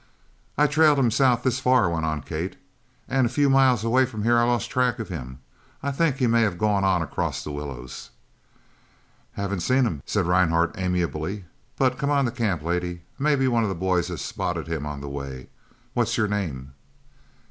"I've trailed him south this far," went on Kate, "and a few miles away from here I lost track of him. I think he may have gone on across the willows." "Haven't seen him," said Rhinehart amiably. "But come on to the camp, lady. Maybe one of the boys has spotted him on the way. What's your name?"